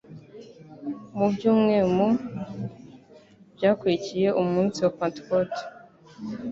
mu byumwem byakurikiye umunsi wa Pantekote,